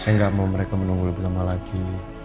saya nggak mau mereka menunggu lebih lama lagi